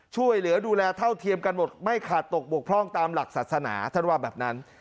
ช่วยเหลือดูแลเท่าเทียมกันหมดไม่ขาดตกบกพร่องตามหลักศาสนาท่านว่าแบบนั้น